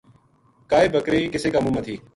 کائے بکری کَسی کا مُنہ ما تھی